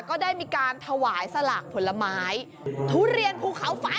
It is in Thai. ก็ได้มีการถวายสลากผลไม้ทุเรียนภูเขาไฟ